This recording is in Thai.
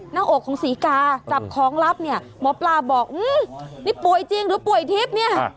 หน้าอกของศรีกาจับของลับเนี่ยหมอปลาบอกนี่ป่วยจริงหรือป่วยทิพย์เนี่ย